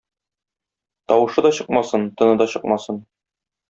Тавышы да чыкмасын, тыны да чыкмасын.